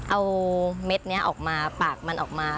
เอาเม็ดนี้ออกมาปากมันออกมา